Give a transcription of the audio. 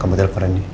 kamu telfon randy